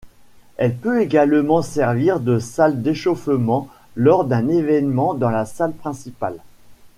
Elle peut également servir de salle d'échauffement lors d'un événement dans la salle principale.